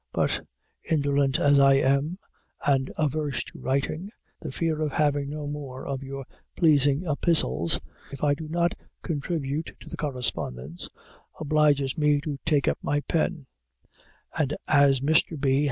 But, indolent as I am, and averse to writing, the fear of having no more of your pleasing epistles, if I do not contribute to the correspondence, obliges me to take up my pen; and as Mr. B.